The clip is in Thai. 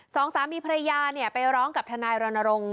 สองสามีภรรยาไปร้องกับทนายรณรงค์